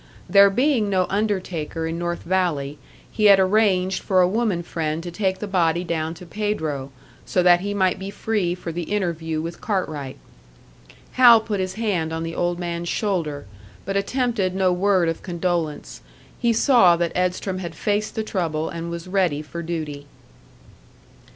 There being no undertaker in North Valley, he had arranged for a woman friend to take the body down to Pedro, so that he might be free for the interview with Cartwright. Hal put his hand on the old man's shoulder, but attempted no word of condolence; he saw that Edstrom had faced the trouble and was ready for duty.